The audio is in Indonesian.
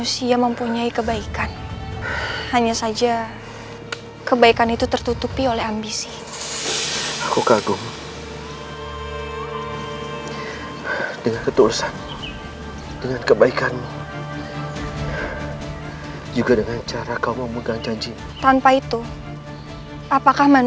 sampai jumpa di video selanjutnya